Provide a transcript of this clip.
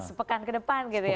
sepekan ke depan gitu ya